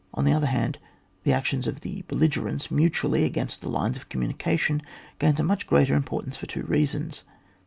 On the other hand, the action of the belli gerents mutually against the lines of com munications gains a much greater import ance for two reasons.